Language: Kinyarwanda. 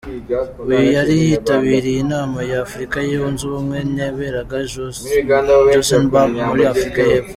Uyu yari yitabiraye inama ya Afurika yunze ubumwe yaberaga Johanesburg muri Afurika y’epfo.